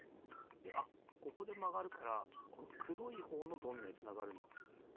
であっここでまがるからこのくろいほうのドミノにつながるんだ。